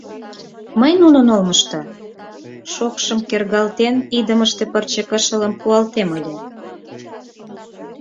Мый нунын олмышто, шокшым кергалтен, идымыште пырче кышылым пуалтем ыле.